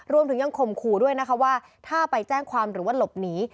รวมถึงยังข่มขู่ด้วยนะคะว่าถ้าไปแจ้งความหรือว่าหลบหนี